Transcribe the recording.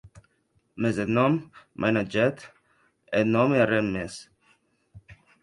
Mès eth nòm, mainatget, eth nòm e arren mès.